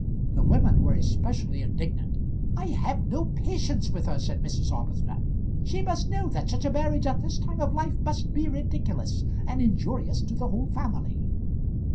The women were especially indignant. "I have no patience with her," said Mrs. Arbuthnot. "She must know that such a marriage at his time of life must be ridiculous, and injurious to the whole family."